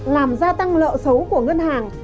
làm gia tăng lợi số của ngân hàng